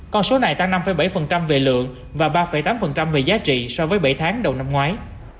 con số này tăng năm bảy về lượng và ba tám về giá trị so với bảy tháng đầu năm ngoái